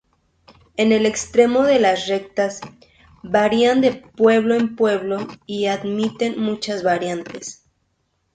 En el extremo, las recetas varían de pueblo en pueblo y admiten muchas variantes.